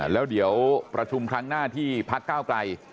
แล้วเดี๋ยวประชุมครั้งหน้าที่พักก้าวไกล